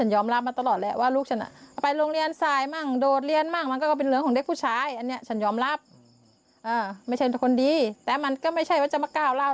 ยอมรับไม่ใช่คนดีแต่มันก็ไม่ใช่ว่าจะมาก้าวราว